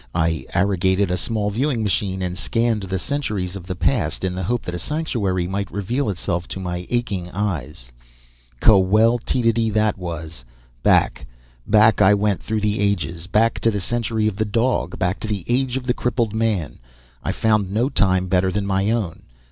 I arrogated a small viewing machine, and scanned the centuries of the past in the hope that a sanctuary might reveal itself to my aching eyes. Kwel tediety that was! Back, back I went through the ages. Back to the Century of the Dog, back to the Age of the Crippled Men. I found no time better than my own.